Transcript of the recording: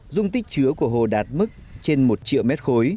dung tích chứa của hồ đạt mức trên một triệu mét khối